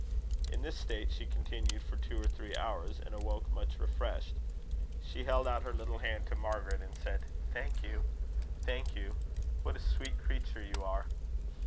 In this state she continued for two or three hours, and awoke much refreshed. She held out her little hand to Margaret, and said: "Thank you. Thank you. What a sweet creature you are!"